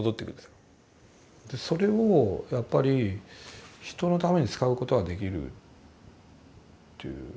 それをやっぱり人のために使うことができるという。